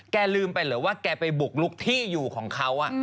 ลืมไปเหรอว่าแกไปบุกลุกที่อยู่ของเขา